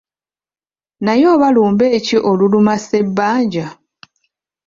Naye oba lumbe ki oluluma Ssebbanja?